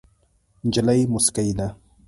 نجلۍ موسکۍ ده.